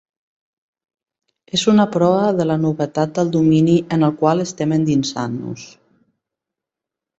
És una prova de la novetat del domini en el qual estem endinsant-nos.